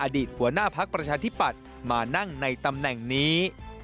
อดีตหัวหน้าพักประชาธิปัตย์มานั่งในตำแหน่งนี้